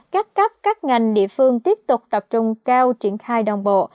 các cấp các ngành địa phương tiếp tục tập trung cao triển khai đồng bộ